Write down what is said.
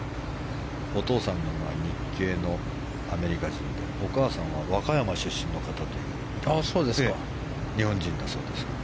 お父さんが日系のアメリカ人でお母さんは和歌山出身の方という日本人だそうです。